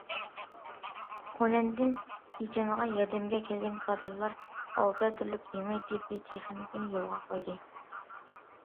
خۇنەندىن پىچانغا ياردەمگە كەلگەن كادىرلار ئالتە تۈرلۈك يېڭى تېببىي تېخنىكىنى يولغا قويدى.